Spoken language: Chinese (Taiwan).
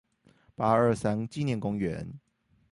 八二三紀念公園